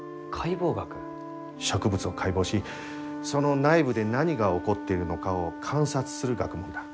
植物を解剖しその内部で何が起こっているのかを観察する学問だ。